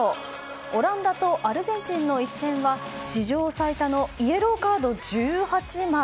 オランダとアルゼンチンの一戦は史上最多のイエローカード１８枚。